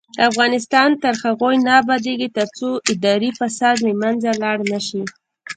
افغانستان تر هغو نه ابادیږي، ترڅو اداري فساد له منځه لاړ نشي.